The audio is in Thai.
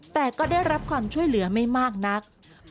แต่ก็ได้รับความช่วยเหลือไม่มากนัก